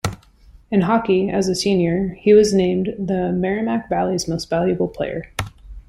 In hockey, as a senior, he was named the Merrimack Valley's Most Valuable Player.